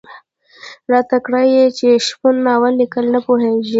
راته کړه یې چې شپون ناول ليکل نه پوهېږي.